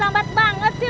aduh lambat banget sih